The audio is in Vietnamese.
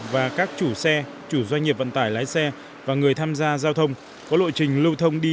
và các chủ xe chủ doanh nghiệp vận tải lái xe và người tham gia giao thông có lộ trình lưu thông đi